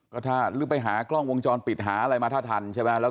ก็ถ้าลืมไปหากล้องวงจรปิดหาอะไรมาถ้าทัน